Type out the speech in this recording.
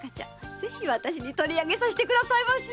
ぜひ私に取りあげさせてくださいましな！